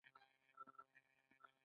هغوی د پیلانو تر پښو لاندې چخڼي شول.